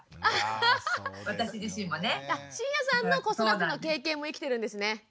あ椎谷さんの子育ての経験も生きてるんですね。